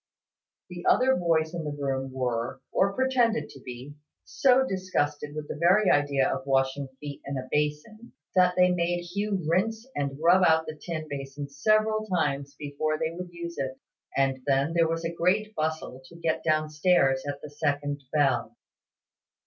The other boys in the room were, or pretended to be, so disgusted with the very idea of washing feet in a basin, that they made Hugh rinse and rub out the tin basin several times before they would use it, and then there was a great bustle to get down stairs at the second bell.